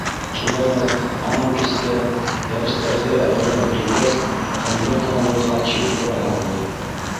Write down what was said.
Шулай ҙа анау кистә, дәрестәрҙе әҙерләп бөтөргәс, хәнйәр танау Хачим һорай һалды: